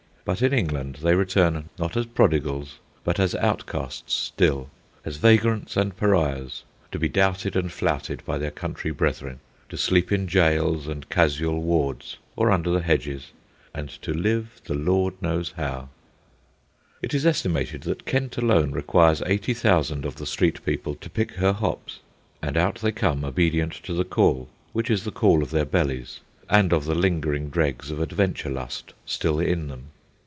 But in England they return, not as prodigals, but as outcasts still, as vagrants and pariahs, to be doubted and flouted by their country brethren, to sleep in jails and casual wards, or under the hedges, and to live the Lord knows how. It is estimated that Kent alone requires eighty thousand of the street people to pick her hops. And out they come, obedient to the call, which is the call of their bellies and of the lingering dregs of adventure lust still in them.